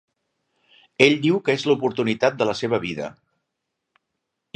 Ell diu que és l'oportunitat de la seva vida.